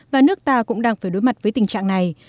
và nước ta cũng đang phải đối mặt với tình trạng này